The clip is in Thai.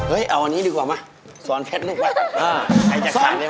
เอ๊ะเอาวันนี้ดีกว่ามาสอนเพล็ดลูกใคร